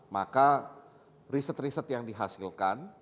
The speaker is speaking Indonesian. maka riset riset yang dihasilkan